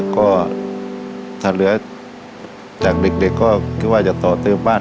ก็ถ้าเหลือจากเด็กก็คิดว่าจะต่อเติมบ้าน